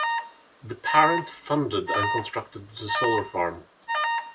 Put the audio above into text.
The parent funded and constructed the solar farm.